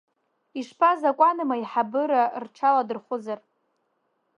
Ишԥа закәаным, аиҳабыра рҽаладырхәызар?